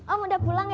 om udah pulang ya